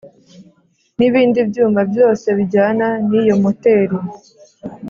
Nibindi byuma byose bijyana niyo moteri